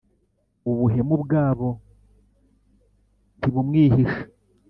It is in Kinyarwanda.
Ubuhemu bwabo ntibumwihisha,